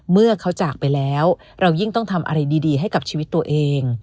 เมื่อเขาจากไปแล้วเรายิ่งต้องทำอะไรดีให้กับชีวิตตัวเอง